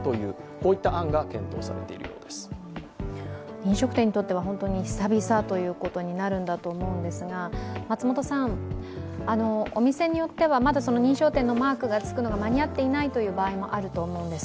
飲食店にとっては本当に久々ということになるんだと思うんですが、お店によってはまだ認証店のマークがつくのが間に合っていないという場合もあると思うんです。